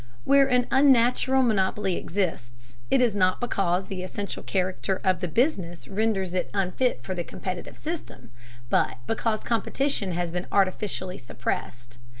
Where an unnatural monopoly exists, it is not because the essential character of the business renders it unfit for the competitive system, but because competition has been artificially suppressed.